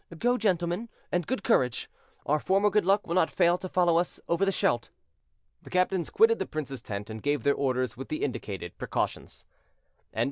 Go, gentlemen, and good courage; our former good luck will not fail to follow us over the Scheldt." The captains quitted the prince's tent, and gave their orders with the indicated precautions. CHAPTER LXIII.